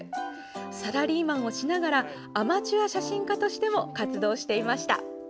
サラリーマンをしながらアマチュア写真家としても活動していました。